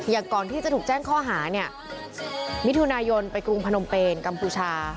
ก่อนที่จะถูกแจ้งข้อหาเนี่ยมิถุนายนไปกรุงพนมเปนกัมพูชา